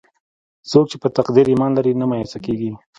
څوک چې په تقدیر ایمان لري، نه مایوسه کېږي.